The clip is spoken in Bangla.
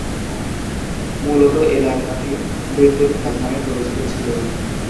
মূলত, এলাকাটি "মৃত্যুর খাদ" নামে পরিচিত ছিল।